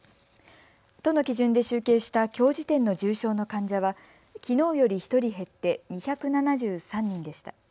都の基準で集計したきょう時点の重症の患者はきのうより１人減って２７３人でした。